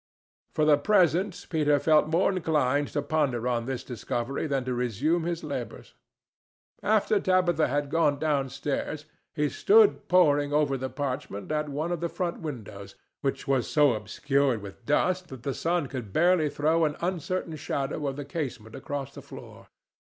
For the present Peter felt more inclined to ponder on this discovery than to resume his labors. After Tabitha had gone down stairs he stood poring over the parchment at one of the front windows, which was so obscured with dust that the sun could barely throw an uncertain shadow of the casement across the floor.